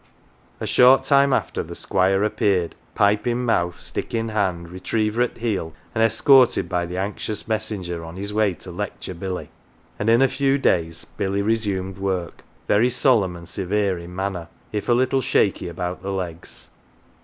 A .short time after, the Squire appeared, pipe in mouth, stick m hand, retriever at heel, and escorted by the anxious messenger, on his way to lecture Billy. And in a few days Billy resumed work, very solemn and severe in manner, 1^ a little shaky about the legs.